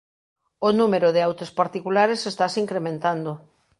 O número de autos particulares estase incrementando.